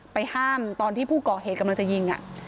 ห้ามตอนที่ผู้ก่อเหตุกำลังจะยิง